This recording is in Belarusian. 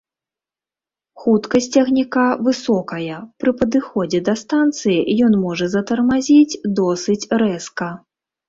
Хуткасць цягніка высокая, пры падыходзе да станцыі ён можа затармазіць досыць рэзка.